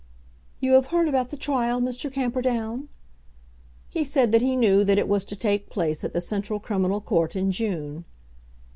"You have heard about the trial, Mr. Camperdown?" He said that he knew that it was to take place at the Central Criminal Court in June.